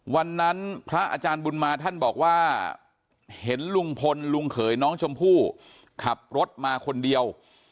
พระอาจารย์บุญมาท่านบอกว่าเห็นลุงพลลุงเขยน้องชมพู่ขับรถมาคนเดียว